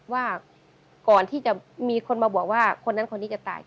ว่าก่อนที่จะมีคนมาบอกว่าคนนั้นคนนี้จะตาย